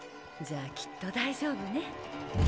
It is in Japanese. じゃあきっと大丈夫ね。